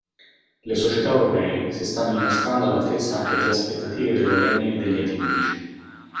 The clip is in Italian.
Le società europee si stanno dimostrando all'altezza anche delle aspettative dei governi e degli enti pubblici.